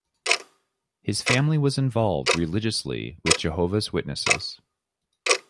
His family was involved religiously with Jehovah's Witnesses.